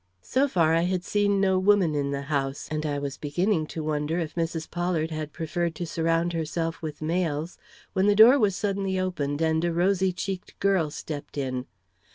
So far I had seen no woman in the house, and I was beginning to wonder if Mrs. Pollard had preferred to surround herself with males, when the door was suddenly opened and a rosy cheeked girl stepped in.